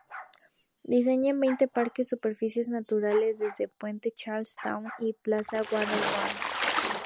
Diseñan veinte parques y superficies naturales desde el Puente Charlestown en la Plaza Watertown.